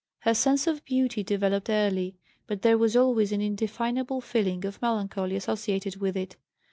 Her sense of beauty developed early, but there was always an indefinable feeling of melancholy associated with it.